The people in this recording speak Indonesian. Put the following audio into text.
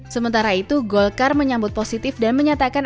sementara itu golkar menyambut positif dan menyatakan